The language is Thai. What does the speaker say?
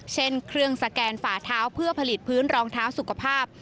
เช่นเครื่องสแกนฝาเท้าเพื่อผลิตพื้นรองเท้าสุขภาพ